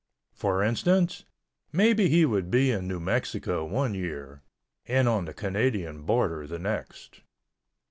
For instance, maybe he would be in New Mexico one year and on the Canadian border the next.